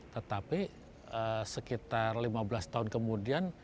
tetapi sekitar lima belas tahun kemudian